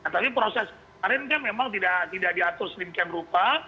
tapi proses kemarin kan memang tidak diatur sedemikian rupa